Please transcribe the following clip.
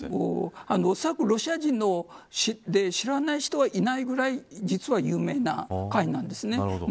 おそらくロシア人で知らない人はいないぐらい実は有名な会なんです。